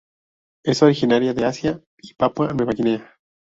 Es originaria de Asia y Papúa Nueva Guinea.